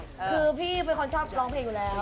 คือพี่เป็นคนชอบร้องเพลงอยู่แล้ว